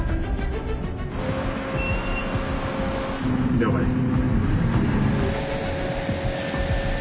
了解です。